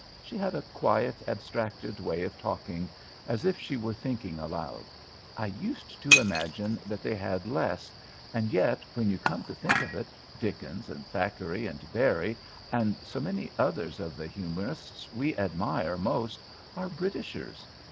She had a quiet, abstracted way of talking as if she were thinking aloud. "I used to imagine they had less, and yet, when you come to think of it, Dickens and Thackeray and Barrie, and so many other of the humourists we admire most, are Britishers.